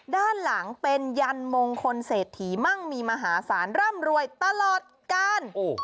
ด้านหลังเป็นยันมงคลเศรษฐีมั่งมีมหาศาลร่ำรวยตลอดกาล